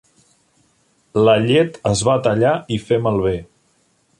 La llet es va tallar i fer malbé.